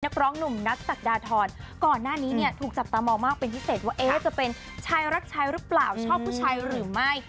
ร้องหนุ่มนัทศักดาทรก่อนหน้านี้เนี่ยถูกจับตามองมากเป็นพิเศษว่าจะเป็นชายรักชายหรือเปล่าชอบผู้ชายหรือไม่